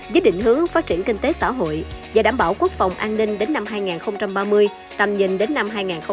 với định hướng phát triển kinh tế xã hội và đảm bảo quốc phòng an ninh đến năm hai nghìn ba mươi tầm nhìn đến năm hai nghìn bốn mươi năm